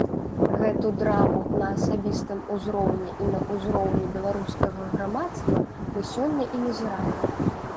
Гэту драму на асабістым узроўні і на ўзроўні беларускага грамадства мы сёння і назіраем.